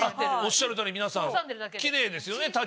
おっしゃるとおり皆さん奇麗ですよね